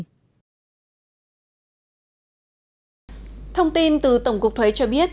thông tin từ tổng cục thuế cho biết